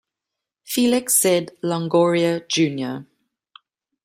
Felix Z. Longoria, Jr.